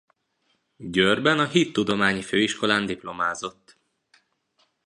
Győrben a Hittudományi Főiskolán diplomázott.